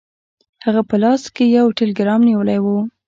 هغه په لاس کې یو ټیلګرام نیولی و.